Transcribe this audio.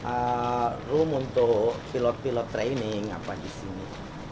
ada room untuk pilot pilot training apa di sini